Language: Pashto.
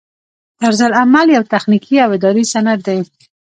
طرزالعمل یو تخنیکي او اداري سند دی.